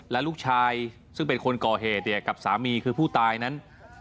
และลูกชายซึ่งเป็นคนก่อเหตุเนี่ยกับสามีคือผู้ตายนั้น